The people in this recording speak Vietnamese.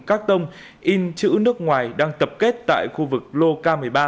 các tông in chữ nước ngoài đang tập kết tại khu vực lô cam